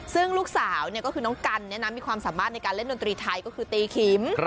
ซึ่งลูกสาวก็คือน้องกันมีความสามารถในการเล่นดนตรีไทยก็คือตีขิม